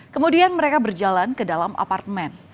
kemudian mereka berjalan ke dalam apartemen